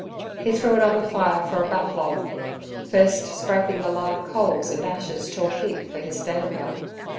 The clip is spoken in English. He threw it on the fire for a back log, first scraping the live coals and ashes to a heap for his damper.